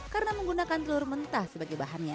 karena menggunakan telur mentah sebagai bahannya